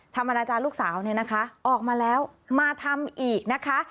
อนาจารย์ลูกสาวเนี่ยนะคะออกมาแล้วมาทำอีกนะคะ